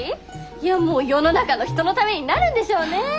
いやもう世の中の人のためになるんでしょうね。